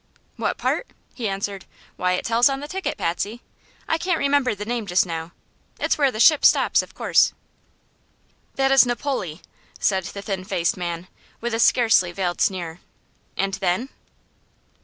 "What part?" he answered. "Why, it tells on the ticket, Patsy. I can't remember the name just now. It's where the ship stops, of course." "That is Napoli," said the thin faced man, with a scarcely veiled sneer. "And then?"